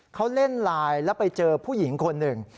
เขาเล่นไลน์แล้วไปเจอผู้หญิงคนหนึ่ง